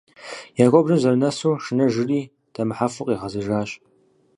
Я куэбжэм зэрынэсу, шынэжри, дэмыхьэфу къигъэзэжащ.